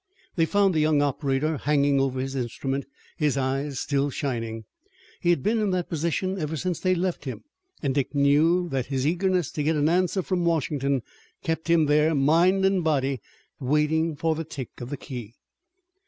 They found the young operator hanging over his instrument, his eyes still shining. He had been in that position ever since they left him, and Dick knew that his eagerness to get an answer from Washington kept him there, mind and body waiting for the tick of the key.